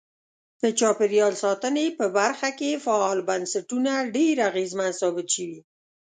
په چاپیریال ساتنې په برخه کې فعال بنسټونه ډیر اغیزمن ثابت شوي.